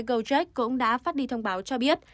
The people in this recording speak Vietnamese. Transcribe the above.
gojek cũng đã phát đi thông báo cho biết